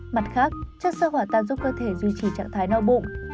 mặt khác chất sơ hỏa tan giúp cơ thể duy trì trạng thái đau bụng